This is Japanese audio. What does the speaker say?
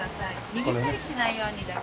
握ったりしないようにだけ。